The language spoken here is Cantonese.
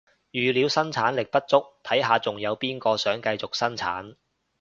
語料生產力不足，睇下仲有邊個想繼續生產